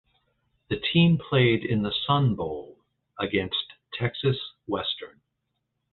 The team played in the Sun Bowl against Texas Western.